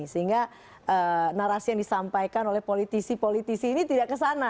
sehingga narasi yang disampaikan oleh politisi politisi ini tidak kesana